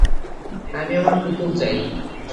আমি আমার পুতুল চাই।